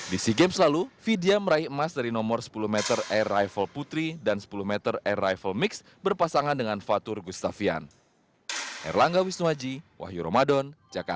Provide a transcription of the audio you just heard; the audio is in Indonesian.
di sea games lalu vidya meraih emas dari nomor sepuluh meter air rifle putri dan sepuluh meter air rifle mix berpasangan dengan fatur gustaffian